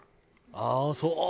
ああーそう？